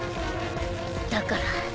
だから。